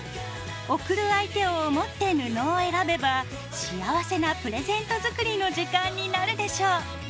贈る相手を思って布を選べば幸せなプレゼント作りの時間になるでしょう。